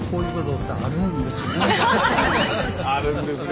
あるんですね。